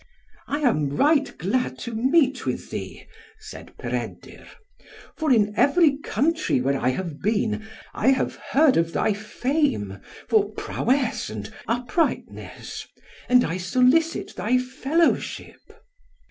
"I am right glad to meet with thee," said Peredur, "for in every country where I have been, I have heard of thy fame for prowess and uprightness, and I solicit thy fellowship."